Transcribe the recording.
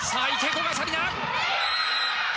古賀紗理那。